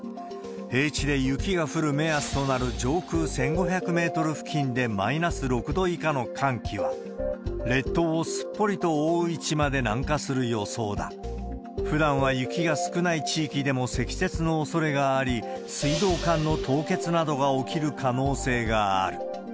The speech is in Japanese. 平地で雪が降る目安となる上空１５００メートル付近でマイナス６度以下の寒気は、列島をすっぽり覆う位置まで南下する予想だ。ふだんは雪が少ない地域でも積雪のおそれがあり、水道管の凍結などが起きる可能性がある。